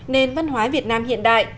nền văn hóa việt nam hiện đại